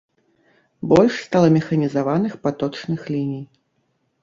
Больш стала механізаваных паточных ліній.